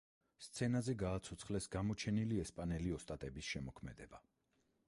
სცენაზე გააცოცხლეს გამოჩენილი ესპანელი ოსტატების შემოქმედება.